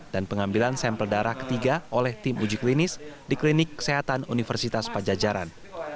dan pengambilan sampel darah ketiga oleh tim uji klinis di klinik kesehatan universitas pajajaran